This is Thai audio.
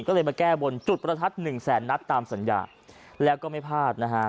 ก็เลยมาแก้บนจุดประทัดหนึ่งแสนนัดตามสัญญาแล้วก็ไม่พลาดนะฮะ